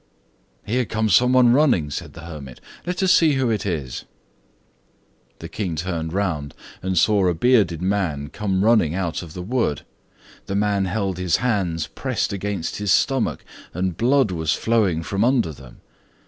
"Here comes some one running," said the hermit, "let us see who it is." The King turned round, and saw a bearded man come running out of the wood. The man held his hands pressed against his stomach, and blood was flowing from under them.